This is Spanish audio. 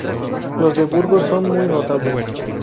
Los de Burgos son muy notables.